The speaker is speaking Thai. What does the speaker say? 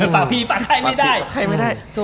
ฝากพี่ฝากใครไม่ได้